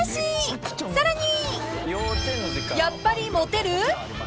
［さらに］